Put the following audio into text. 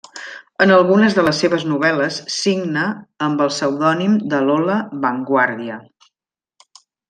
En algunes de les seves novel·les signa amb el pseudònim de Lola Van Guàrdia.